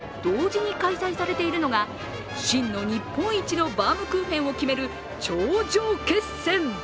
実は今回、同時に開催されているのが真の日本一のバウムクーヘンを決める頂上決戦。